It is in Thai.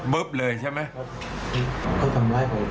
เบิ๊บเลยใช่ไหม